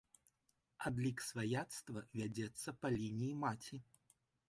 Адлік сваяцтва вядзецца па лініі маці.